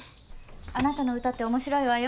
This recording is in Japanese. あなたの歌って面白いわよ。